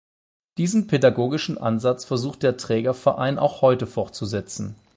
Diesen pädagogischen Ansatz versucht der Trägerverein auch heute fortzusetzen.